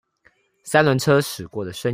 三輪車駛過的聲音